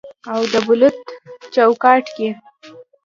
او د بلوط چوکاټ کې